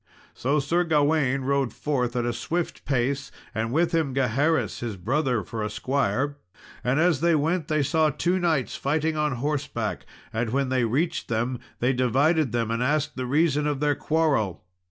So Sir Gawain rode forth at a swift pace, and with him Gaheris, his brother, for a squire. And as they went, they saw two knights fighting on horseback, and when they reached them they divided them and asked the reason of their quarrel.